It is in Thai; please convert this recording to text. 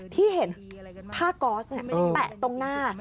ที่เห็นผ้าก๊อสแปะตรงหน้า